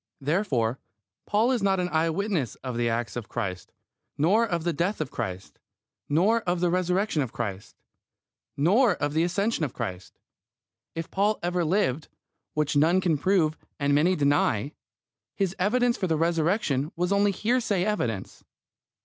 Therefore Paul is not an eye witness of the acts of Christ, nor of the death of Christ, nor of the Resurrection of Christ, nor of the Ascension of Christ. If Paul ever lived, which none can prove and many deny, his evidence for the Resurrection was only hearsay evidence.